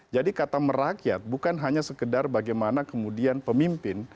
jadi kata merakyat bukan hanya sekedar bagaimana kemudian pemimpin